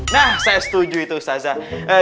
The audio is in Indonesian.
nah saya setuju itu saza